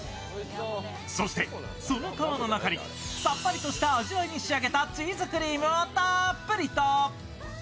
そして、その皮の中にさっぱりとした味わいに仕上げたチーズクリームをたっぷりと。